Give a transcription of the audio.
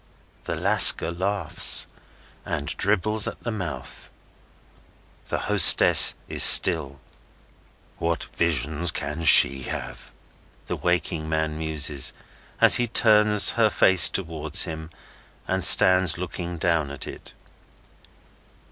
The Lascar laughs and dribbles at the mouth. The hostess is still. [Illustration: In the Court] "What visions can she have?" the waking man muses, as he turns her face towards him, and stands looking down at it.